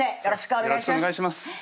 よろしくお願いします